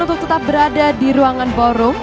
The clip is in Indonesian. untuk tetap berada di ruangan ballroom